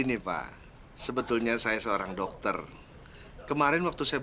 padahal temen jangan bersandar juga lagi